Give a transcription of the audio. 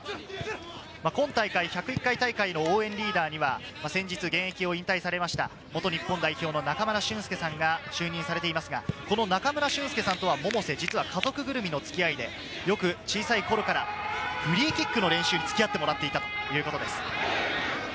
今大会、１０１回大会の応援リーダーには先日、現役を引退されました元日本代表の中村俊輔さんが就任されていますが、中村俊輔さんとは百瀬は家族ぐるみの付き合いで、よく小さい頃からフリーキックの練習につき合ってもらっていたということです。